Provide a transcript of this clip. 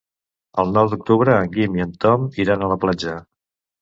El nou d'octubre en Guim i en Tom iran a la platja.